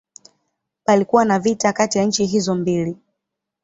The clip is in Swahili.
Palikuwa na vita kati ya nchi hizo mbili.